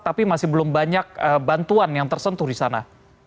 tapi masih belum banyak bantuan yang tersentuh di sana